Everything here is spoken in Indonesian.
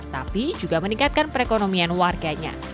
tapi juga meningkatkan perekonomian warganya